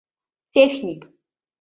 — Техник!